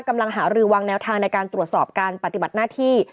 กำลังหารือวางแนวทางในการตรวจสอบการปฏิบัติหน้าที่